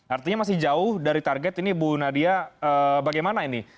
artinya masih jauh dari target ini bu nadia bagaimana ini